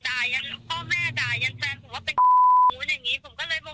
ด่ายันพ่อแม่ด่ายันแฟนพี่เป็นเก็บมูนอย่างนี้